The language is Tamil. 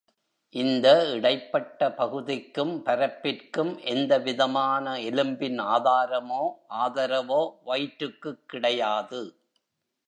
இந்த இடைப்பட்ட பகுதிக்கும் பரப்பிற்கும் எந்த விதமான எலும்பின் ஆதாரமோ, ஆதரவோ வயிற்றுக்குக் கிடையாது.